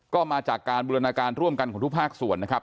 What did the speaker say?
ก็มาจากการบูรณาการร่วมกันของทุกภาคส่วนนะครับ